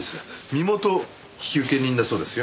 身元引受人だそうですよ。